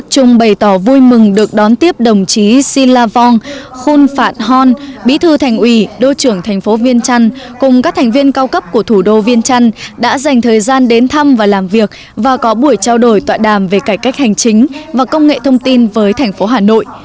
trong bày tỏ vui mừng được đón tiếp đồng chí silla vong khun phan hon bí thư thành uỷ đô trưởng thành phố viên trăn cùng các thành viên cao cấp của thủ đô viên trăn đã dành thời gian đến thăm và làm việc và có buổi trao đổi tọa đàm về cải cách hành chính và công nghệ thông tin với thành phố hà nội